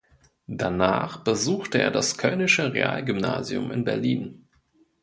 Danach besuchte er das Köllnische Realgymnasium in Berlin.